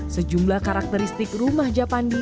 sejumlah karakteristik rumah japandi